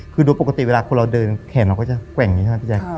คือโดยปกติเวลาคนเราเดินแขนเราก็จะแกว่งอย่างนี้ใช่ไหมพี่แจ๊ค